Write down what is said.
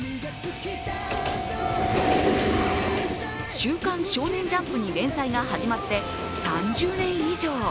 「週刊少年ジャンプ」に連載が始まって３０年以上。